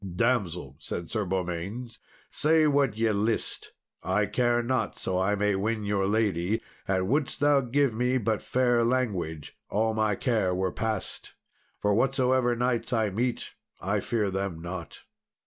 "Damsel," said Sir Beaumains, "say what ye list, I care not so I may win your lady; and wouldst thou give me but fair language, all my care were past; for whatsoever knights I meet, I fear them not."